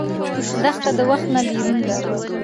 دښته د وخت نه بېرون ده.